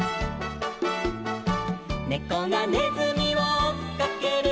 「ねこがねずみをおっかける」